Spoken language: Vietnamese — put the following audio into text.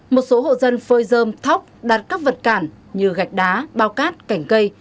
một số hộ dân phơi dơm thóc đặt các vật cản như gạch đá bao cát cảnh cây